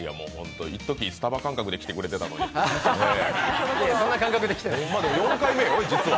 いっとき、スタバ感覚で来てくれてたのに、４回目よ、実は。